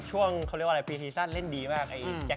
ช่วงปีศาสตร์เล่นดีมาก